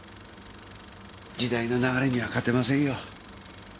時代の流れには勝てませんよ。